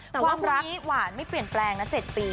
แต่ว่าคู่นี้หวานไม่เปลี่ยนแปลงนะ๗ปี